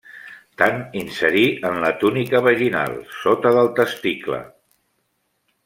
Tant inserir en la túnica vaginal, sota del testicle.